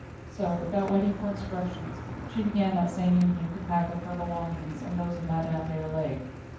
So, without waiting for instructions, she began that same evening to pack up her belongings and those of Madame Déroulède.